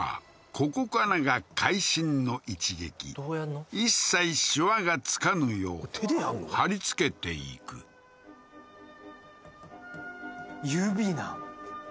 ここからが会心の一撃一切しわがつかぬよう貼り付けていく指なん？